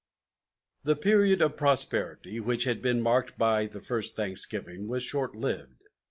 The period of prosperity, which had been marked by the first Thanksgiving, was short lived.